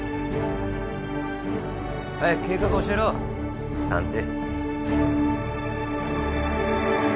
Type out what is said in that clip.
早く計画を教えろ探偵。